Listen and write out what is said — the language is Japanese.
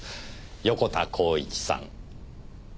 横田幸一さん。